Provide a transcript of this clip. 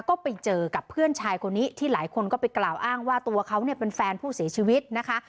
ก็ไปเจอกับเพื่อนชายคนนี้ที่หลายคนก็ไปกล่าวอ้างว่าตัวเขาเนี่ยเป็นแฟนผู้เสียชีวิตนะคะ